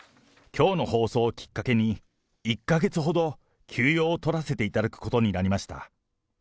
きょうの放送をきっかけに、１か月ほど、休養を取らせていただくことになりました。